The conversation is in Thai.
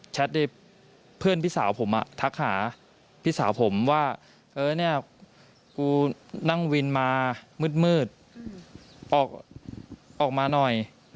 เพื่อนพี่สาวผมทักหาพี่สาวผมว่าเออเนี่ยกูนั่งวินมามืดออกมาหน่อย